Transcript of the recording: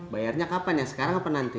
bayarnya kapan ya sekarang apa nanti